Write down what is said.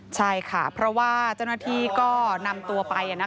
ใช่ค่ะเพราะว่าเจ้าหน้าที่ก็นำตัวไป